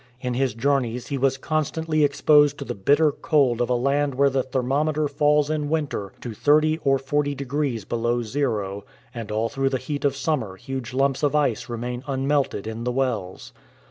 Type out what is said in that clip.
In his journeys he was constantly exposed to the bitter cold of a land where the thermometer falls in winter to thirty or forty degrees below zero, and all through the heat of summer huge lumps of ice remain unmelted in the wells.